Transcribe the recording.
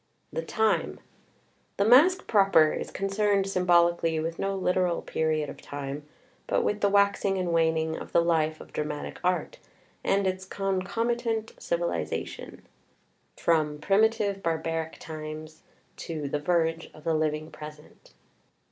THE TIME The Masque Proper is concerned, symbolically, with no literal period of tune, but with the waxing and waning of the life of dramatic art [and its concomitant, civilization] from primitive barbaric times to the verge of the living present.